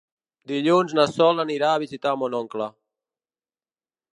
Dilluns na Sol anirà a visitar mon oncle.